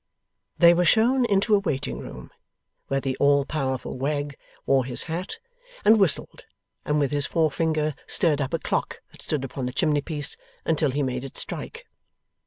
They were shown into a waiting room, where the all powerful Wegg wore his hat, and whistled, and with his forefinger stirred up a clock that stood upon the chimneypiece, until he made it strike.